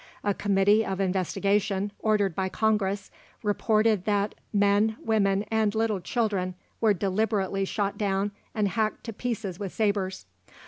A committee of investigation, ordered by Congress, reported that "men, women, and little children were deliberately shot down and hacked to pieces with sabres.